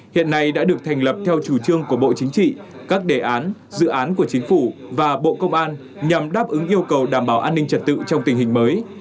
hiện nay đã được thành lập theo chủ trương của bộ chính trị các đề án dự án của chính phủ và bộ công an nhằm đáp ứng yêu cầu đảm bảo an ninh trật tự trong tình hình mới